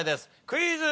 クイズ。